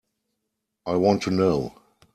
I want to know.